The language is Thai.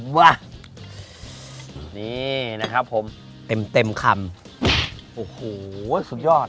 นี่นะครับผมเต็มเต็มคำโอ้โหสุดยอด